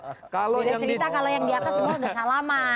beda cerita kalau yang diatas sudah salaman